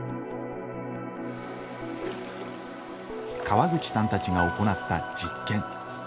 川口さんたちが行った実験。